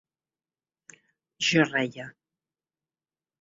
Jo reia.